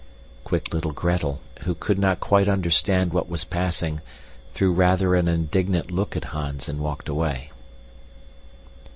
Quick little Gretel, who could not quite understand what was passing, threw rather an indignant look at Hans and walked away.